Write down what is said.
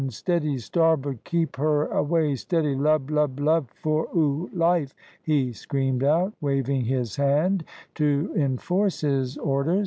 steady! starboard. Keep her away! steady! lub, lub, lub, for ou life!" he screamed out, waving his hand to enforce his orders.